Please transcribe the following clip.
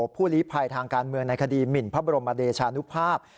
ผู้ลีภัยทางการเมืองในคดีหมินพระบรมเดชานุภาพ